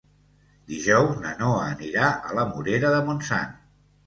Dijous na Noa anirà a la Morera de Montsant.